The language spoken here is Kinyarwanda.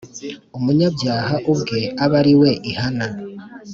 Umunyabyaha ubwe abe ari we ihana.